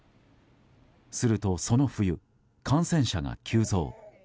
すると、その冬感染者が急増。